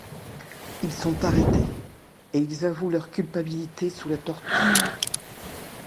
Ils sont arrêtés et il avouent leur culpabilité sous la torture.